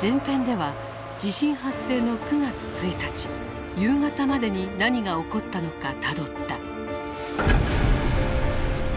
前編では地震発生の９月１日夕方までに何が起こったのかたどった。